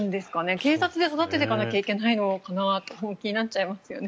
警察で育てていかないといけないのかなというそこが気になっちゃいますよね。